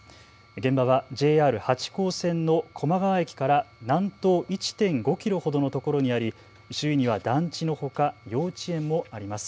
現場はＪＲ八高線の高麗川駅から南東１．５キロほどのところにあり、周囲には団地のほか幼稚園もあります。